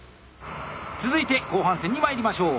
続いて後半戦にまいりましょう。